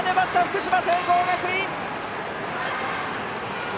福島・聖光学院！